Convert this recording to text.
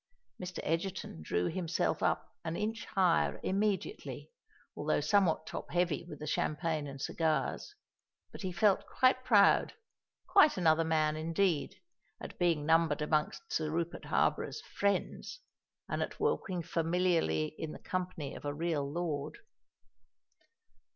Mr. Egerton drew himself up an inch higher immediately, although somewhat top heavy with the champagne and cigars;—but he felt quite proud—quite another man, indeed—at being numbered amongst Sir Rupert Harborough's friends, and at walking familiarly in the company of a real lord.